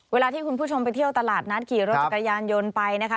เวลาที่คุณผู้ชมไปเที่ยวตลาดนัดขี่รถจักรยานยนต์ไปนะคะ